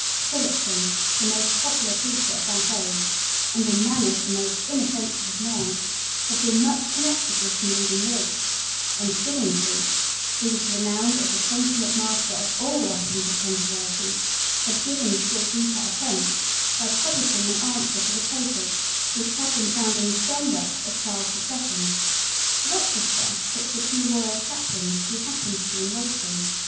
Tillotson, the most popular preacher of that age, and in manners the most inoffensive of men, had been much connected with some leading Whigs; and Stillingfleet, who was renowned as a consummate master of all the weapons of controversy, had given still deeper offence by publishing an answer to the papers which had been found in the strong box of Charles the Second. Rochester took the two royal chaplains who happened to be in waiting.